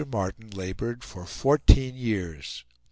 Martin laboured for fourteen years.